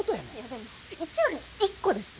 でも１話に１個ですよ。